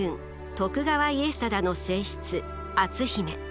徳川家定の正室篤姫。